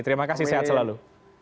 terima kasih sehat selalu